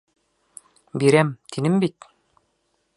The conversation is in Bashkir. — Бирәм, тинем бит.